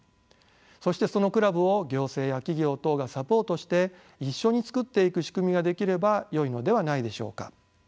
そしてそのクラブを行政や企業等がサポートして一緒に作っていく仕組みが出来ればよいのではないでしょうか。